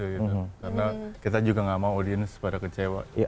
karena kita juga nggak mau audience pada kecewa